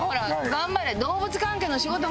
頑張れ！